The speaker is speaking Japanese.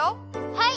はい！